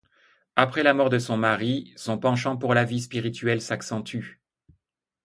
Après la mort de son mari, son penchant pour la vie spirituelle s’accentue.